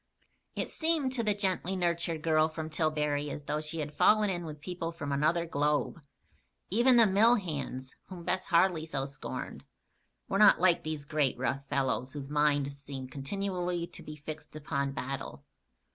It seemed to the gently nurtured girl from Tillbury as though she had fallen in with people from another globe. Even the mill hands, whom Bess Harley so scorned, were not like these great, rough fellows whose minds seemed continually to be fixed upon battle.